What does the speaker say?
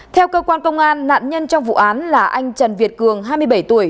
theo cơ quan công an nạn nhân trong vụ án là anh trần việt cường hai mươi bảy tuổi